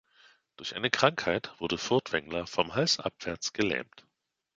Durch eine Krankheit wurde Furtwängler vom Hals abwärts gelähmt.